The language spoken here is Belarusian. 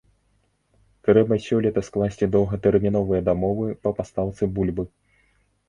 Трэба сёлета скласці доўгатэрміновыя дамовы па пастаўцы бульбы.